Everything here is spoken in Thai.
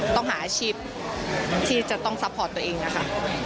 ต้องหาอาชีพที่จะต้องซัพพอร์ตตัวเองนะคะ